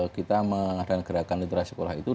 kita mengadakan gerakan literasi sekolah itu